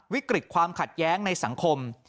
วิกฤตความขัดแย้งในสังคม